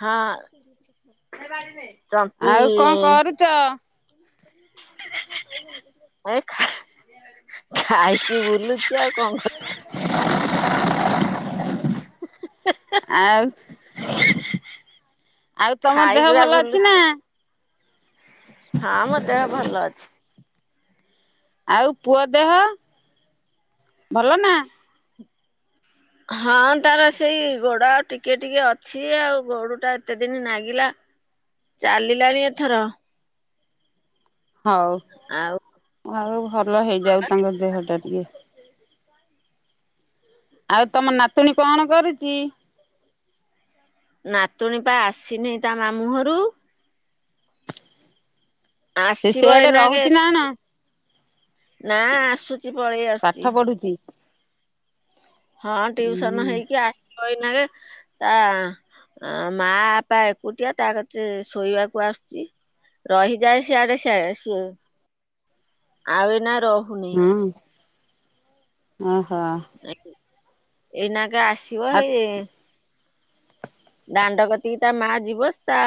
ହଁ ଚମ୍ପି ଆଉ କଣ କରୁଚ? ଏଇ ଖା-ଖାଇକି ବୁଲୁଚି ଆଉ। କଣ ହ [inaudible] ଆଉ ଆଉ ତମ ଦେହ ଖାଇକି ବା ଭଲ ଅଛି ନା? ବୁଲୁଛି ହଁ ମୋ ଦେହ ଭଲ ଅଛି। ଆଉ ପୁଅ ଦେହ ଭଲ ନା? ହଁ ତାର ସେଇ ଗୋଡ ଟିକେ ଟିକେ ଅଛି ଆଉ ଗୋଡୁ ଟା ଏତେ ଦିନି ନାଗିଲା। ଚାଲିଲାଣି ଏଥର। ହଉ। ଆଉ। ଆଉ ଭଲ ହେଇଯାଉ ତାଙ୍କ ଦେହ ଟା ଟିକେ। ଆଉ ତମ ନାତୁଣୀ କଣ କରୁଚି? ନାତୁଣୀ ପା ଆସିନେଇ ତା ମାମୁଁ ଘରୁ। ସେ ଆସିବ ସେଆଡେ ଏଇନାକେ ରହୁଛି ନା କଣ? ନା ଆସୁଚି ପଳେଇ ଆସୁଚି। ଚି। ହଁ ହୁଁ ଟିଉସନ ହେଇକି ଆସିବ ଏଇନାକେ। ତା ମା ପା ଏକୁଟିଆ ତା କତିରେ ଶୋଇବାକୁ ଆସୁଚି। ରହିଯାଏ ସିଆଡ଼େ ସିଆଡ଼େ ସିଏ ଆଉ ଏଇନା ରହୁ ହୁଁ ଓହୋ। ଏଇନାକେ ଆସିବ ଆ ହେଇ ଦାଣ୍ଡ କତିକି ତା ମା ଯିବ ତା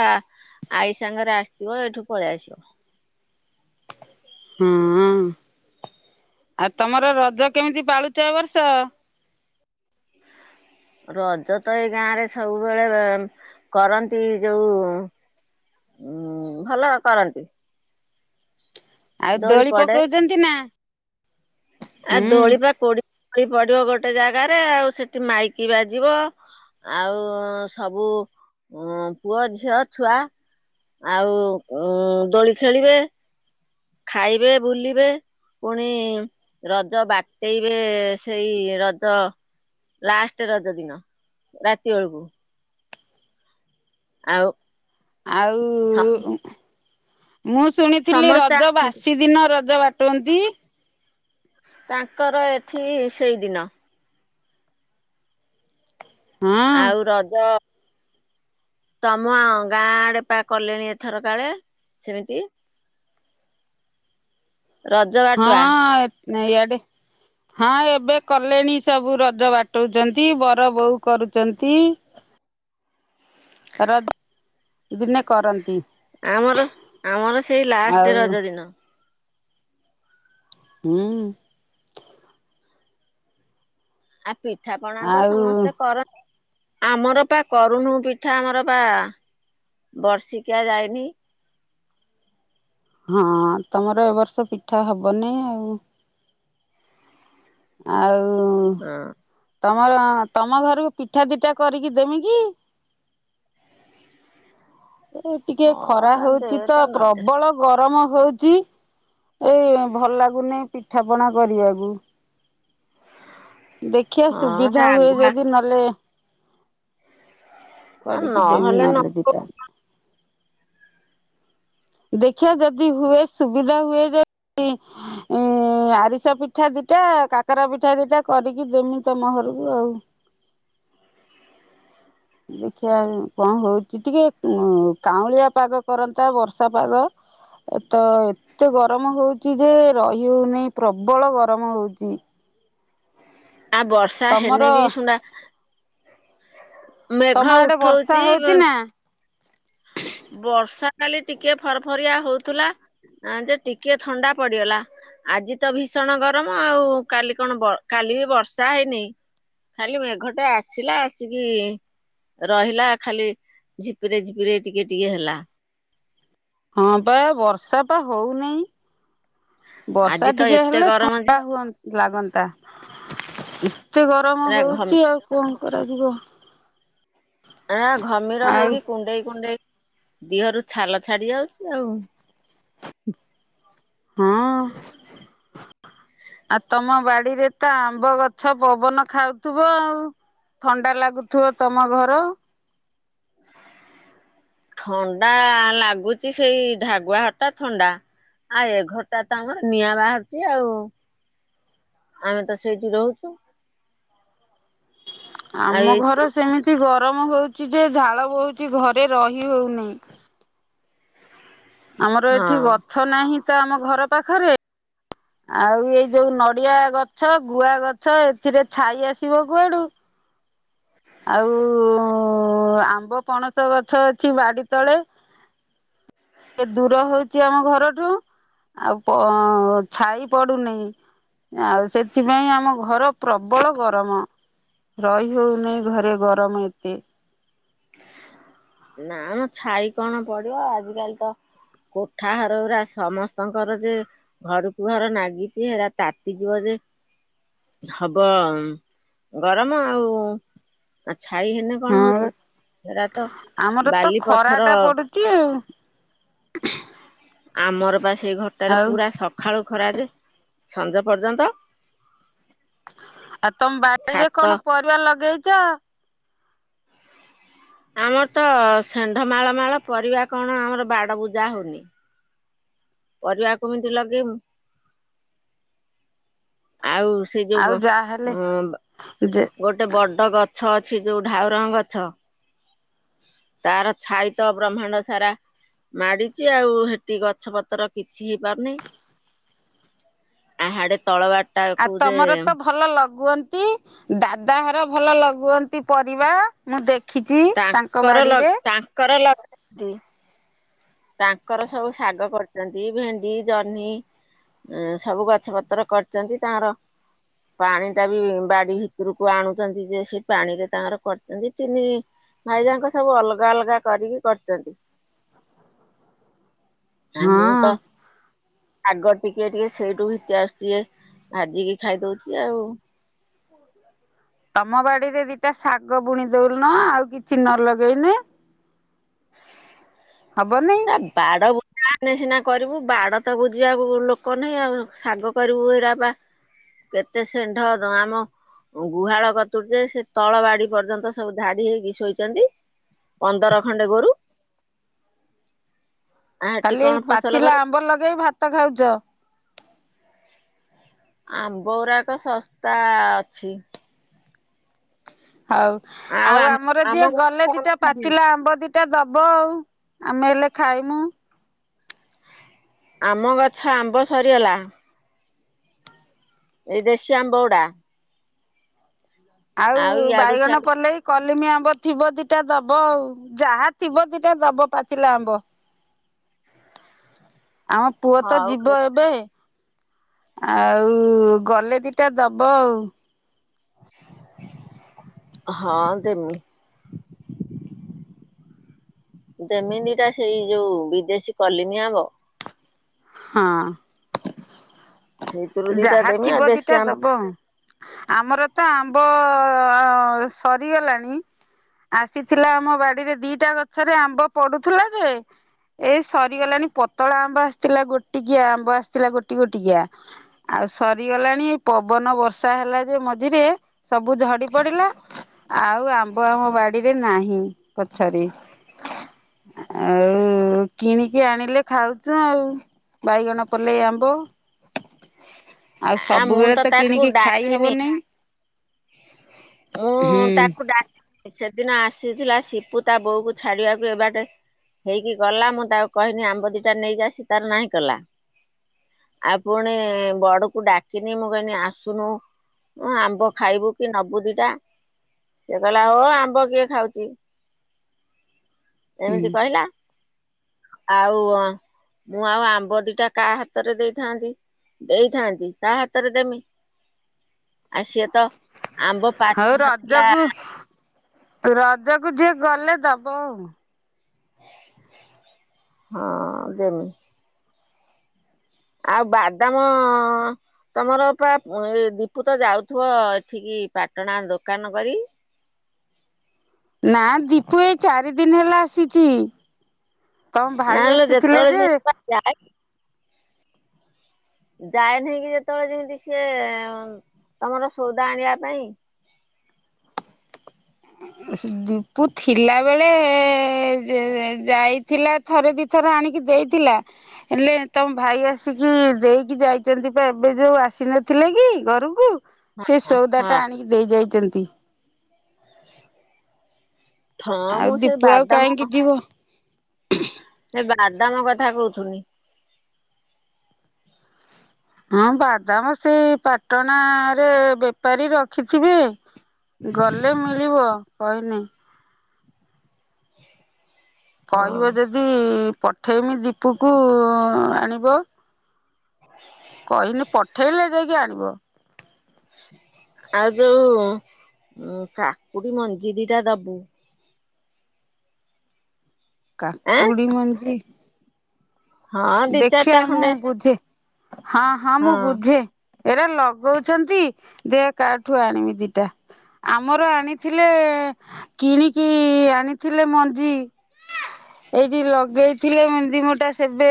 ଆଈ ସାଙ୍ଗରେ ଆସିଥିବ ଏଇଠୁ ପଳେଇ ଆସିବ। ହୁଁ ଆଉ ତମର ରଜ କେମିତି ପାଳୁଚ ଏବର୍ଷ? ରଜ ତ ଏଇ ଗାଁ ରେ ସବୁବେଳେ ବେ କରନ୍ତି ଯୋଉ ଉଁ ଭଲ କରନ୍ତି। ଆଉ ଦୋଳି ପକଉଚନ୍ତି ନା? ଆ ଦୋଳି ହୁଁ ପା କୋଡି ଳି ପଡିବ ଗୋଟେ ଜାଗାରେ ଆଉ ସେଠି ମାଇକି ବାଜିବ। ଆଉ ସବୁ ପୁଅ ଝିଅ ଛୁଆ ଆଉ ଉଁ ଦୋଳି ଖେଳିବେ। ଖାଇବେ ବୁଲିବେ। ପୁଣି ରଜ ବାଟେଇବେ ସେଇ ରଜ ଲାଷ୍ଟ ରଜ ଦିନ ରାତି ବେଳୁକୁ। ଆଉ ସ- ଆଉ ମୁଁ ଶୁଣିଥିଲି ସମସ୍ତେ ରଜ ବାସି ଦିନ ରଜ ବାଟୁଅନ୍ତି। ତାଙ୍କର ଏଠି ସେଇଦିନ। ହଁ ଆଉ ରଜ ତମ ଆ ଗାଁ ଆଡେ ପା କଲେଣି ଏଥର କାଳେ ସେମିତି ରଜ ହଁ ବାଟୁଆ ଆ ନ ଏଡ ହଁ ଏବେ କଲେଣି ସବୁ ରଜ ବାଟଉଛନ୍ତି ବର ବୋଉ କରୁଛନ୍ତି ର ଦିନେ କରନ୍ତି ଆମର ଆମର ସେଇ ଲାଷ୍ଟ ଆଉ ରଜ ଦିନ ହଁ ଆଉ ପିଠାପଣା ତ ଆଉ ସମସ୍ତେ କରନ୍ତି ଆମର ପା କରୁଣୁ ପିଠା ଆମର ପା ବର୍ଷିକିଆ ଯାଇନି ହଁ ତମର ଏ ବର୍ଷ ପିଠା ହବନି ଆଉ ଆଉ ହଁ ତମର ତମ ଘରକୁ ପିଠା ଦିଠା କରିକି ଦେମି କି ଏ ଟିକେ ହଁ ଖରା ହେରା ଦେ ହଉଛି ତ ନଦେ ପ୍ରବଳ ଗରମ ହଉଛି ଏଇ ଭଲ ଲାଗୁନି ପିଠା ପଣା କରିବାକୁ ଦେଖିବା ହଁ ସୁବିଧା ହୁଏ ଆଗୁଆ ଯଦି ନହେଲେ କରିକି ଦେମି ନହେଲେ ଦିଇଟା ଦେଖିବା ଯଦି ହୁଏ ସୁବିଧା ହୁଏ ଏ ଆରିସ ପିଠା ଦିଟା କାକରା ପିଠା ଦିଟା କରିକି ଦେମି ତମ ଘରକୁ ଆଉ ଦେଖିବା କଣ ହଉଛି ଟିକେ କାଉଁଳିଆ ପାଗ କରନ୍ତା ବର୍ଷା ପାଗ ଏ ତ ଏତେ ଗରମ ହଉଛି ଯେ ରହି ହଉନହି ପ୍ରବଳ ଗରମ ହଉଛି ଆ ବର୍ଷା ତମର ହେନେ ବି ଶୁଣା ତମ ଆଡେ ବର୍ଷା ଉଠଉଚି ହଉଚି ନା ବର୍ଷା କାଲି ଟିକେ ଫରଫରିଆ ହଉଥିଲା। ଆ ଯେ ଟିକେ ଥଣ୍ଡା ପଡିଗଲା। ଆଜି ତ ଭୀଷଣ ଗରମ, ଆଉ କାଲି କଣ କାଲି ବି ବର୍ଷା ହେଇନି ଖାଲି ମେଘଟେ ଆସିଲା ଆସିକି ରହିଲା ଖାଲି ଝିପି ରେ ଝିପ୍ ଫିରେ ଟିକିେ ଟିକେ ହେଲା। ହଁ ପା ବର୍ଷା ପା ହଉନଇ। ବର୍ଷା ଆଜି ତ ଟିକେ ଏତେ ହେଲେ ଗରମ ଯେ ଥଣ୍ଡା ହୁଅନ୍ତା। ଲାଗନ୍ତା, ଏତେ ଗରମ ପୁରା ଘ ହଉଚି ଆଉ କଣ କରାଯିବ। ନା ଘମିର ଆଉ ହେଇକି କୁଣ୍ଡେଇ କୁଣ୍ଡେଇ ଦେହରୁ ଛାଲ ଛାଡି ଯାଉଛି ଆଉ। ହଁ। ଆଉ ତମ ବାଡିରେ ତ ଆମ୍ବ ଗଛ ପବନ ଖାଉଥିବ ଆଉ। ଥଣ୍ଡା ଲାଗୁଥିବ ତମ ଘର। ଥଣ୍ଡା ଲାଗୁଛି ସେଇ ଢାଗୁଆ ଘରଟା ଥଣ୍ଡା। ଆଉ ଏ ଘରଟା ତ ଆମର ନିଆଁ ବାହାରୁଛି ଆଉ ଆମେ ତ ସେଇଠି ରହୁଛୁ। ଆଉ ଆମ ଏଇ ଘର ଯୋଉ ସେମିତି ଗରମ ହଉଛି ଯେ, ଝାଳ ବୋହୁଛି ଘରେ ରହି ହଉନାହିଁ। ଆମର ଏଠି ହଁ ଗଛ ନାହିଁ ତ ଆମ ଘର ପାଖରେ। ଆଉ ଏଇ ଯୋଉ ନଡିଆ ଗଛ ଗୁଆ ଗଛ ଏଥିରେ ଛାଇ ଆସିବ କୁଆଡୁ। ଆଉ ଆମ୍ବ ପଣସ ଗଛ ଅଛି ବାଡି ତଳେ। ଦୂର ହଉଛି। ଛି ଆମ ଘରଠୁ ଆଉ ପ ଛାଇ ପଡୁନେଇ। ଆଉ ସେଥିପାଇଁ ଆମ ଘର ପ୍ରବଳ ଗରମ, ରହି ହଉନି। ଘରେ ଗରମ ଏତେ। ନା ଆମ ଛାଇ କଣ ପଡିବ ଆଜିକାଲି ତ କୋଠା ଘର ଗୁରା ସମସ୍ତଙ୍କର ଯେ ଘରକୁ ଘର ନାଗିଛି ହେରା ତାତିଯିବ ଯେ ହବ ଗରମ ଆଉ ଆ ଛାଇ ହେନ କଣ ହଁ ହଉଛି। ଆମର ତ ଖରା ଟା ପଡୁଛି ଆଉ। ଆମର ବା ସେଇ ଘରଟାରେ ଆଉ ପୁରା ସକାଳୁ ଖରା ଯେ ସଞ୍ଜ ପର୍ଯ୍ୟନ୍ତ। ଆଉ ତମ ବାଡିରେ କଣ ଛାତ ପରିବା ଲଗେଇଛ? ଆମର ତ ଷଣ୍ଢ ମାଳ ମାଳ ପରିବା କଣ, ଆମର ବାଡ ବୂଜା ହଉନି। ପରିବା କୁମିତି ଲଗେଇବୁ? ଆଉ ସେ ଯୋଉ ଆଉ ଵ ଯାହାହେଲେ ଉଣ୍ ଯେ ଗୋଟେ ବଡ ଗଛ ଅଛି ଯୋଉ ଢାଉରଙ୍ଗ ଗଛ ତାର ଛାଇ ତ ବ୍ରହ୍ମାଣ୍ଡ ସାରା। ମାଡିଛି ଆଉ ସେଠି ଗଛ ପତ୍ର କିଛି ହେଇ ପାରୁନି। ଆହାଡେ ତଳବାଟ ଆଉ ତମର ତ ଭଲ ଲଗୁଅନ୍ତି, ଦାଦା ଘର ଭଲ ଲଗୁଅନ୍ତି ପରିବା। ମୁଁ ଦେଖିଛି ତାଙ୍କ ତାଙ୍କର ବାଡିରେ ଲଗ ତାଙ୍କର ଲଗନ୍ତି। ତାଙ୍କର ସବୁ ଶାଗ କରିଛନ୍ତି ଭେଣ୍ଡି ଜହ୍ନି ଉ ସବୁ ଗଛ ପତ୍ର କରିଛନ୍ତି ତାଙ୍କର ପାଣି ଟାବି ବାଡି ଭିତରକୁ ଆଣୁଛନ୍ତି, ଯେ ସେ ପାଣିରେ ତାଙ୍କର କରିଛନ୍ତି ତିନି ଭାଇ ଯାଙ୍କ ସବୁ ଅଲଗା ଅଲଗା କରିକି କରିଛନ୍ତି। ଆ ମୁଁ ହଁ ତ ଆଗ ଟିକେ ଟିକେ ସେଇଠୁ ଘିତି ଆସୁଛି ଯେ ଭାଜିକି ଖାଇ ଦଉଛି ଆଉ। ତମ ବାଡିରେ ଦିଟା ଶାଗ ବୁଣି ଦଉଲନ ଆଉ କିଛି ନ ଲଗେଇନି ହବନି। ଏ ବାଡ ଉତ୍। କାନେ ସିନା କରିବୁ ବାଡ ତ ବୁଝିବାକୁ ଲୋକ ନହିଁ ଆଉ ଶାଗ କରିବୁ ଏଇରା ବା କେତେ ସେଣ୍ଢ ଦମମ। ଗୁହାଳ କତୁୁର ଯେ ସେ ତଳ ବାଡି ପର୍ଯ୍ୟନ୍ତ ସବୁ ଧାଡି ହେଇକି ଶୋଇଛନ୍ତି। ପନ୍ଦର ଖଣ୍ଡେ ଗୋରୁ। ଆ ହେଠି ଖାଲି ଏଇ କଣ ଫସଲ ପାଚିଲା କରିବୁ ଆମ୍ବ ଲଗେଇ ଭାତ ଖାଉଛ। ଆମ୍ବରାକ ଶସ୍ତା ଅଛି। ହଉ ଆଉ ଆମ ଆମର ଆମ ଯିଏ ଗଲେ ଗଛ ଦିଟା ପାଚିଲା ଆମ୍ବ ଦିଟା। ଏଟା ଦବ ଆଉ ଆମେ ହେଲେ ଖାଇମୁ। ଆମ ଗଛ ଆମ୍ବ ସରିଗଲା। ଏଇ ଦେଶ୍ୟମ୍ ବଉଡ଼ା। ଆଉ ଇଆଡୁ ବାଇଗଣ ସିଆଡୁ ପଲେଇ। କଲିମି ଆମ୍ବ ଥିବ ଦିଟା ଦବ ଆ ଯାହା ଥିବ ଦିଟା ଦବ ପାଚିଲା ଆମ୍ବ। ଆମ ପୁଅ ତ ହଉ ଯିବ ଏବେ ଆଉ ଗଲେ ଦିଟା ଦବ ଆଉ। ହଁ ଦେମି। ଯେମିତିଟା ସେଇ ଯୋଉ ବିଦେଶୀ କଲିମି ଆମ୍ବ। ହଁ ସେଇଥିରୁ ଦିଟା ଯାହା ଦେମି ଆଉ ଥିବ ଦେଶୀ ଦିଟା ଆମ୍ବ ଦବ। ଆମର ତ ଆମ୍ବ ସରିଗଲାଣି। ଆସିଥିଲା ଆମ ବାଡିରେ ଦିଟା ଗଛରେ ଆମ୍ବ ପଡୁଥିଲା ଯେ। ଏଇ ସରିଗଲାଣି ପତଳା ଆମ୍ବ ଆସିଥିଲା ଗୋଟିକିଆ ଆମ୍ବ ଆସିଥିଲା ଗୋଟି ଗୋଟିକିଆ। ଆଉ ସରିଗଲାଣି ପବନ ବର୍ଷା ହେଲା ଯୋଉ ମଝିରେ ସବୁ ଝଡି ପଡିଲା। ଆ। ଆଉ କିଣିକି ଆଣିଲେ ଖାଉଛୁ ଆଉ। ବାଇଗଣ ପଲେଇ ଆମ୍ବ। ଆଉ ଆ ମୁଁ ସବୁବେଳେ ତ ତାକୁ କିଣିକି ଖାଇ ଡାକିନି ହବନି ଓ ହୁଁ। ତାକୁ ଡାକିନି ସେଦିନ ଆସିଥିଲା ସିପୁ ତା ବୋଉ କୁ ଛାଡିବାକୁ ଏ ବାଟେ। ହେଇକି ଗଲା ମୁଁ ତାକୁ କହିଲି ଆମ୍ବ ଦିଟା ନେଇକି ଆସି ତାର ନାହିଁ କଲା। ଆପୁଣ ବଡକୁ ଡା। ିନି ମୁଁ କି ଆସୁନୁ ଆମ୍ବ ଖାଇବୁ କି ନବୁ ଦିଟା। ସେ କହିଲା ହଉ ଆମ୍ବ କିଏ ଖାଉଛି। ହୁଁ ଏମିତି କହିଲା ଆଉ। ମୁଁ ଆଉ ଆମ୍ବଡିଟା କାହା ହାତରେ ଦେଇଥାନ୍ତି ଦେଇଥାନ୍ତି। ତା ହାତରେ ଦେମି ଆଉ ସିଏ ତ ଆମ୍ବ ହଉ ପାଚି ନଥିଲା। ରଜକୁ ରଜକୁ ଜିଏ ଗଲେ ଦବ ଆଉ! ହଁ ଦେମି। ଆଉ ବାଦାମ। ତମର ପା ଏ ଦୀପୁ ତ ଯାଉଥିବ ଏଠିକି ପାଟଣା ଦୋକାନ କରି। ନା ଦୀପୁ ଏଇ ଚାରି ଦିନ ହେଲା ଆସିଛି। ତମ ଭାଇ ନାଲୋ ଆସିଥିଲେ ଯେତେବେଳେ ଯେ। ଯେମିତି ଯାଏ। ଯାଏନାହିଁ କିି ଯେତେବେଳେ ଯେମିତି ସିଏ ତମର ସଉଦା ଆଣିବା ପାଇଁ। ଦୀପୁ ଥିଲା ବେଳେ। ଯାଇଥିଲା ଥରେ ଦିଥର ଆଣିକି ଦେଇଥିଲା। ହେଲେ ତମ ଭାଇ ଆସିକି ଦେଇକି ଯାଇଛନ୍ତି ଏବେ ଯୋଉ ଆସିନଥିଲେ କି ଘରକୁ। ସେ ସଉଦା ହଁ ଟା ଆଣିକି ଦେଇ ଯାଇଛନ୍ତି। ହଁ ଆଉ ମୁଁ ସେ ଦୀପୁ ଆଉ ବାଦାମ କାହିଁକି ଯିବ। ଏ ବାଦାମ କଥା କହୁଥୁନି। ହଁ ବାଦାମ ସେ ପାଟଣା ରେ ବେପାରୀ ରଖିଥିବେ। ଗଲେ ମିଳିବ କହିନେ। ହଁ କହିବ ଯଦି ପଠେଇମି ଦୀପକୁ ଆଣିବ। କହିନି ପଠେଇଲେ ଯକି ଆଣିବ ଆଉ ଯୋଉ କାକୁଡି ମଞ୍ଜିଦିଟା ଦବୁ। ଆଁ କାକୁଡି ମଞ୍ଜି ହଁ ଦି ଚାରିଟା ଦେଖିବା ମୁଁ ଖଣ୍ଡେ ବୁଝେ ହଁ ହଁ ମୁଁ ବୁଝେ। ଏରା ଲଗଉଛନ୍ତି ଦେହ କାହାଠୁ ଆଣିବି ଦିଟା ଆମର ଆଣିଥିଲେ କିଣିକି ଆଣିଥିଲେ ମଞ୍ଜି ଏଇଠି ଲଗେଇଥିଲେ ମେନ୍ଦି ମୋଟା ସେ ଏବେ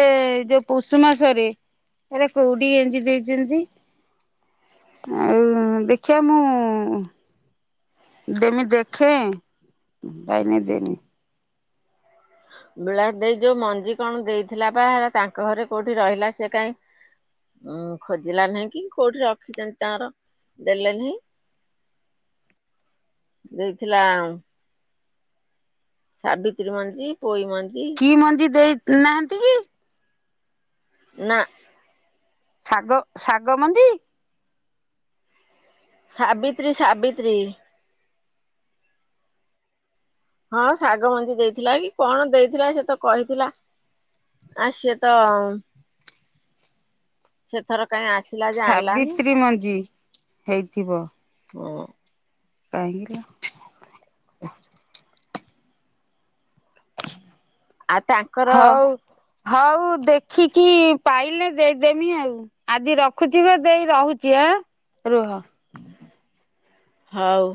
ଯୋଉ ପୋଷୁ ମାସରେ ଏଟ କୋଉଡି ଏଞ୍ଜି ଦେଇଛନ୍ତି। ଆଉ ଦେଖିବା ମୁଁ ଦେମି ଦେଖେ ପାଇନେ ଦେମି। ବିଳା ଦେଇ ଯୋଉ ମଞ୍ଜି କଣ ଦେଇଥିଲା ବା ତାଙ୍କ ଘରେ କୋଉଠି ରହିଲା ସେ କାହିଁ ଉଁ ଖୋଜିଲା ନାହିଁ କି କୋଉଠି ରଖିଛନ୍ତି ତାଙ୍କର ଦେଲେ ନେହିଁ। ଦେଇଥିଲା ସାବିତ୍ରୀ ମଞ୍ଜି ପୋଇ ମଞ୍ଜି। କି ମଞ୍ଜି ଦେଇ ନାହାନ୍ତି କି? ନା ଶାଗ ଶାଗ ମଞ୍ଜି? ସାବିତ୍ରୀ ସାବିତ୍ରୀ। ହଁ ଶାଗ ମଞ୍ଜି ଦେଇଥିଲା କି କଣ ଦେଇଥିଲା ସେ ତ କହିଥିଲା ଆ ସିଏ ତ ସେଥର କାଇହିଁ ଆସିଲା ଯେ ଆଣିଲାନି। ସାବିତ୍ରୀ ମଞ୍ଜି ହେଇଥିବ ହଁ ପାଇହିଁକି ନା [inaudible] ଆ ତା ହଉ ହଉ ଦେଖିକି ପାଇଲେ ଦେଇଦେମି ଆଉ। ଆଜି ରଖୁଛି ଗ ଦେଇ ରହୁଛି ଆଁ ରୁହ। ହଉ